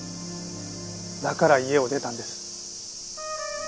だから家を出たんです。